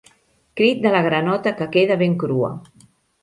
Crit de la granota que queda ben crua.